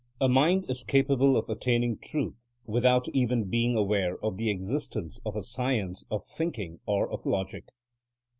A mind is capable of attaining truth without even being aware of the existence of a science of thinking or of logic.